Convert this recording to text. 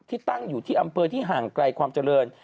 ตั้งอยู่ที่อำเภอที่ห่างไกลความเจริญ